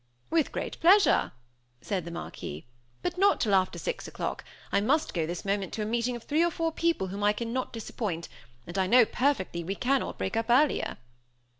"With great pleasure," said the Marquis, "but not till after six o'clock. I must go this moment to a meeting of three or four people whom I cannot disappoint, and I know, perfectly, we cannot break up earlier."